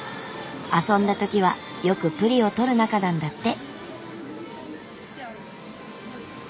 遊んだ時はよくプリを撮る仲なんだって。